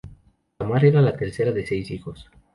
Tamar era la tercera de seis hijos.